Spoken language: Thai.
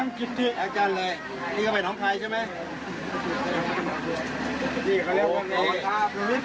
นี่ก็ไปหนองไทยใช่ไหม